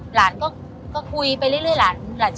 หลานก็คุยไปเรื่อยหลาน